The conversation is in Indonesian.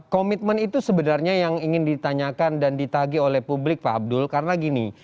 komitmen itu sebenarnya yang ingin ditanyakan dan ditagi oleh publik pak abdul karena gini